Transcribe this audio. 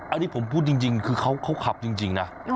อันนี้ผมพูดจริงคือเขาขับจริงนะ